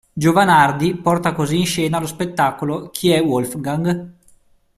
Giovanardi porta così in scena lo spettacolo "Chi è Wolfgang?